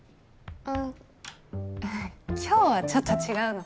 ん今日はちょっと違うの。